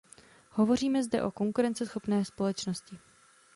Hovoříme zde o konkurenceschopné společnosti.